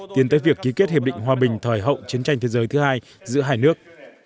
tiến tới việc ký kết hiệp định hòa bình thời hậu chiến tranh thế giới thứ hai giữa hai nước